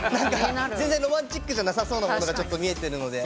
全然ロマンチックじゃなさそうなものがちょっと見えてるので。